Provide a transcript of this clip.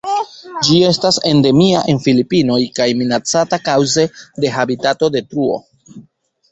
Ĝi estas endemia en Filipinoj kaj minacata kaŭze de habitatodetruo.